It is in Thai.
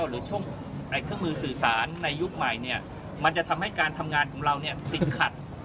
หรือช่วงมือสื่อสารในยุคใหม่มันจะทำให้การทำงานของเราติดขัด